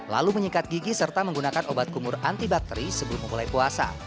lalu menyikat gigi serta menggunakan obat kumur antibakteri sebelum memulai puasa